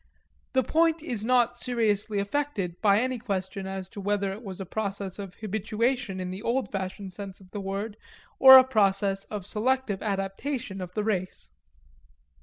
The point is not seriously affected by any question as to whether it was a process of habituation in the old fashioned sense of the word or a process of selective adaptation of the race.